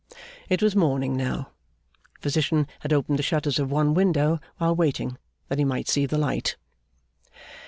It was morning now. Physician had opened the shutters of one window while waiting, that he might see the light.